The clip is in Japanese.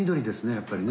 やっぱりね。